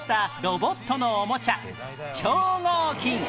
ロボットのおもちゃ「超合金」